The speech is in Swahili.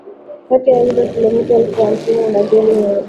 kati ya hizo kilometa elfu hamsini na mbili na mia mbili